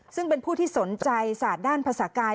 ซึ่งเป็นผู้ที่สนใจศาสตร์ด้านภาษากาย